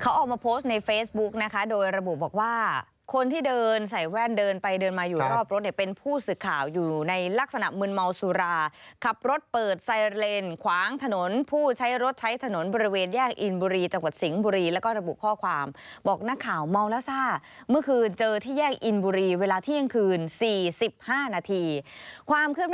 เขาออกมาโพสต์ในเฟซบุ๊กนะคะโดยระบุบอกว่าคนที่เดินใส่แว่นเดินไปเดินมาอยู่รอบรถเนี่ยเป็นผู้สื่อข่าวอยู่ในลักษณะมืนเมาสุราขับรถเปิดไซเรนขวางถนนผู้ใช้รถใช้ถนนบริเวณแยกอินบุรีจังหวัดสิงห์บุรีแล้วก็ระบุข้อความบอกนักข่าวเมาแล้วซ่าเมื่อคืนเจอที่แยกอินบุรีเวลาเที่ยงคืน๔๕นาทีความคืบหน้า